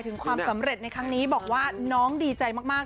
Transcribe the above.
ความสำเร็จในครั้งนี้บอกว่าน้องดีใจมาก